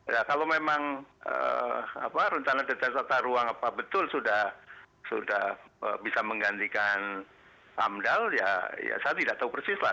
ya kalau memang rentana detekan sata ruang betul sudah bisa menggantikan amdal ya saya tidak tahu persis lah